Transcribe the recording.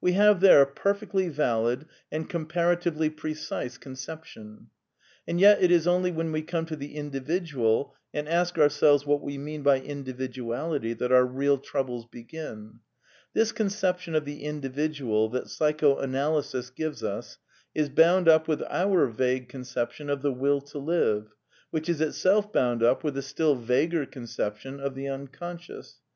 We have there a perfectly valid and comparatively pre cise conception. And yet it is only when we come to the Individual and ask ourselves what we mean by Individuality that our real troubles begin. This conception of the Individual that Psychoanalysis gives us is bound up with our vague conception of the Will to live, which is itself bound up with the still vaguer conception of the Unconscious.